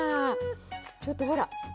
ちょっとほら！